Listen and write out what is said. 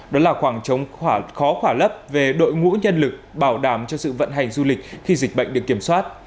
đó là khoảng trống khó khỏa lấp về đội ngũ nhân lực bảo đảm cho sự vận hành du lịch khi dịch bệnh được kiểm soát